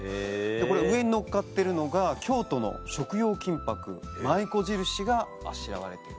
上にのっかってるのが京都の食用金箔舞妓印があしらわれている。